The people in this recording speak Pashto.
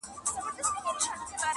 غټ غټ راته ګوري ستا تصویر خبري نه کوي,